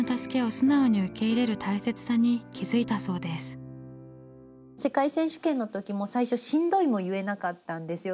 この時世界選手権の時も最初「しんどい」も言えなかったんですよね。